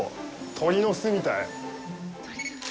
鳥の巣みたい。